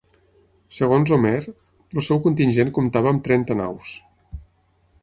Segons Homer, el seu contingent comptava amb trenta naus.